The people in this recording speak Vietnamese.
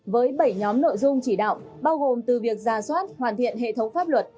với bảy nhóm nội dung chỉ đạo bao gồm từ việc ra soát hoàn thiện hệ thống pháp luật